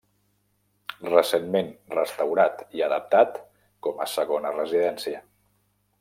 Recentment restaurat i adaptat com a segona residència.